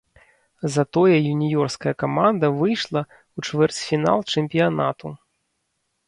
Затое юніёрская каманда выйшла ў чвэрцьфінал чэмпіянату.